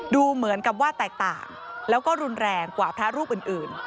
ดูเหมือนกับว่าแตกต่างแล้วก็รุนแรงกว่าพระรูปอื่น